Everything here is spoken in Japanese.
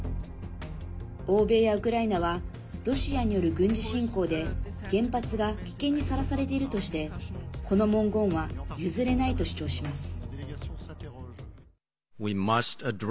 欧米やウクライナはロシアによる軍事侵攻で原発が危険にさらされているとしてこの文言は譲れないと主張します。